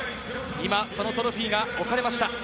今、そのトロフィーが置かれました。